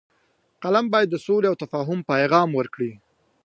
فلم باید د سولې او تفاهم پیغام ورکړي